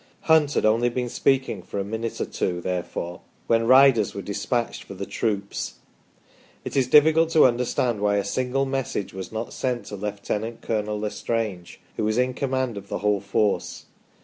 Hunt had only been speaking for a minute or two, therefore, when riders were dis patched for the troops. It is difficult to understand why a single mes sage was not sent to Lieut. Colonel L' Estrange, who was in command of the whole force.